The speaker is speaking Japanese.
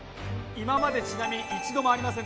今までち一度もありません。